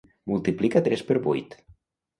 Multiplica tres per vuit.